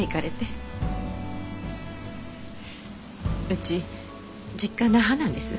うち実家那覇なんです。